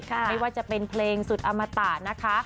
ไม่ว่าจะเป็นเพลงสุดอมตะนะคะ